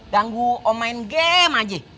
danggu om main game aja